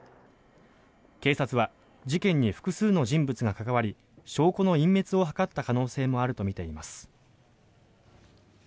警察は事件に複数の人物が関わり証拠の隠滅を図った可能性もあるとみています。